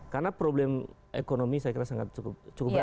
karena problem ekonomi saya kira cukup berat